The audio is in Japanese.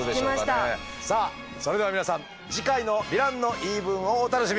さあそれでは皆さん次回の「ヴィランの言い分」をお楽しみに。